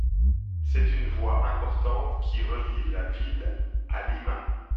C'est une voie importante qui relie la ville à Lima.